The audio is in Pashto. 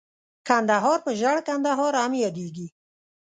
کندهار په ژړ کندهار هم ياديږي.